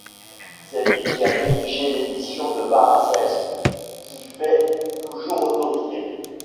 C'est lui qui a dirigé l'édition de Paracelse qui fait toujours autorité.